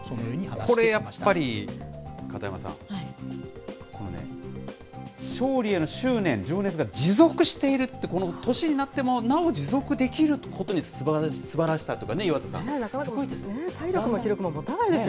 これやっぱり、片山さん、このね、勝利への執念、情熱が持続しているって、この年になってもなお持続できることにすばらしさ体力も気力ももたないですよ